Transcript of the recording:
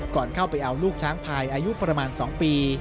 ก่อนเข้าไปเอาลูกช้างพายอายุประมาณ๒ปี